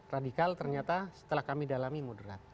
radikal ternyata setelah kami dalami moderat